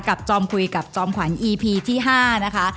กับจ้อมคุยกับจ้อมขวัญที่ห้านะคะ